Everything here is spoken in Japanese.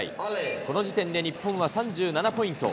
この時点で日本は３７ポイント。